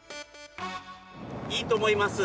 いいと思います。